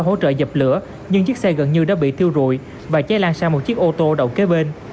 hỗ trợ dập lửa nhưng chiếc xe gần như đã bị thiêu rụi và cháy lan sang một chiếc ô tô đầu kế bên